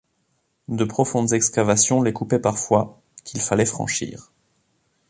De profondes excavations les coupaient parfois, qu’il fallait franchir.